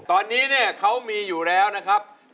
ตอนนี้เนี่ยเขามีอยู่แล้วนะครับ